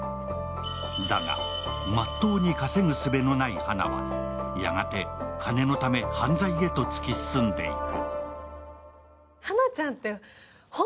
だが、真っ当に稼ぐすべのない花はやがて金のため犯罪へと突き進んでいく。